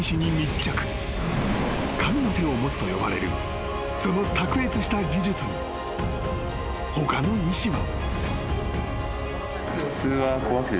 ［神の手を持つと呼ばれるその卓越した技術に他の医師は］